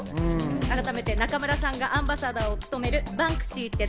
改めて中村さんがアンバサダーを務める「バンクシーって誰？